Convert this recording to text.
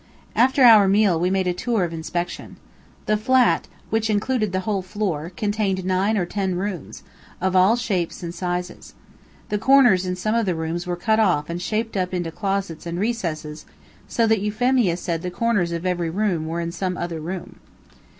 After our meal we made a tour of inspection. The flat, which included the whole floor, contained nine or ten rooms, of all shapes and sizes. The corners in some of the rooms were cut off and shaped up into closets and recesses, so that Euphemia said the corners of every room were in some other room.